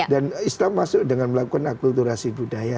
dan islam masuk dengan melakukan akulturasi budaya